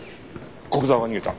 古久沢が逃げた。